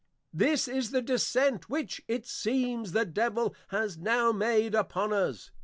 This is the Descent, which, it seems, the Devil has now made upon us.